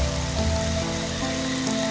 dia mencari perlindungan